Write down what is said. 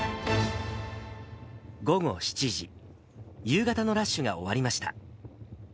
午後７時、夕方のラッシュが終わりました。